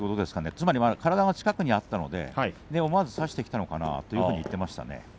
つまり体が近くにあったので思わず差してきたのかなと言っていましたね。